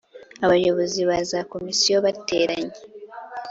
Abayobozi ba za Komisiyo bateranye